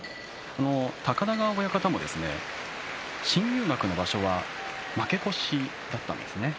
高田川親方も新入幕の場所負け越しだったんですね。